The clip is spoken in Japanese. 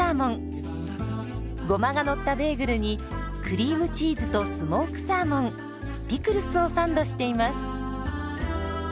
ゴマがのったベーグルにクリームチーズとスモークサーモンピクルスをサンドしています。